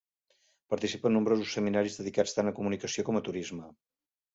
Participa en nombrosos seminaris dedicats tant a comunicació com a turisme.